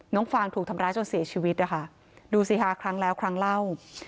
น้องฟางถูกทำร้ายจนเสียชีวิตดูสิฮะครั้งแล้วครั้งเล่า